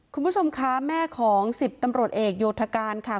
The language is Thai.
คุณผู้ชมคะแม่ของ๑๐ตำรวจเอกโยธการค่ะ